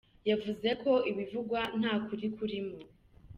Yavuze ko ibivugwa nta kuri kurimo.